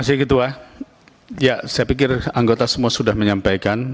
saya pikir anggota semua sudah menyampaikan